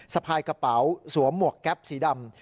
สะพายกระเป๋าสวมหมวกแก๊ปสีดำ